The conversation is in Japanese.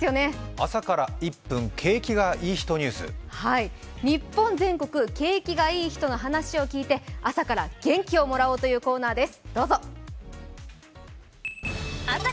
「朝から１分景気のいいニュース」日本全国、景気がいい人の話を聞いて朝から元気をもらおうというコーナーです。